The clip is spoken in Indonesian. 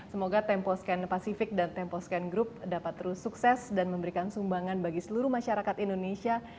semoga tempo scan pacific dan tempo scan group dapat terus sukses dan memberikan sumbangan bagi seluruh masyarakat indonesia